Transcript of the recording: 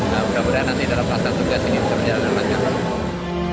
pasukan perdamaian di bawah naungan pbb di lebanon selama satu tahun